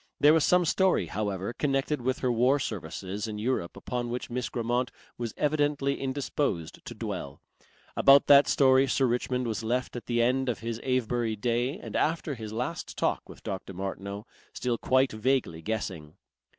There was some story, however, connected with her war services in Europe upon which Miss Grammont was evidently indisposed to dwell. About that story Sir Richmond was left at the end of his Avebury day and after his last talk with Dr. Martineau, still quite vaguely guessing.